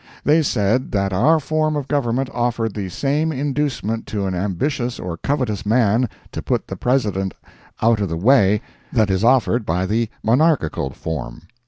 They said that our form of government offered the same inducement to an ambitious or covetous man to put the President out of the way that is offered by the monarchical form.